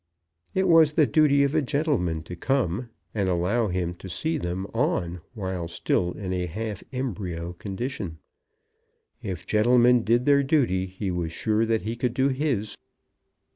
It was the duty of a gentleman to come and allow him to see them on while still in a half embryo condition. If gentlemen did their duty, he was sure that he could do his.